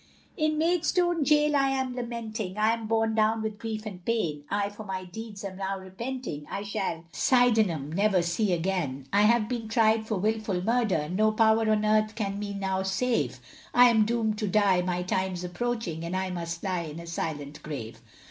_ In Maidstone Gaol, I am lamenting, I am borne down with grief and pain, I for my deeds am now repenting, I shall Sydenham never see again; I have been tried for wilful murder, No power on earth can me now save, I am doomed to die, my time's approaching, And I must lie in a silent grave.